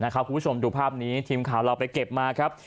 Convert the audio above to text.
คุณผู้ชมดูภาพนี้ทีมข่าวเราไปเก็บมาครับ